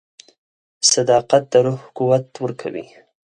• صداقت د روح قوت ورکوي.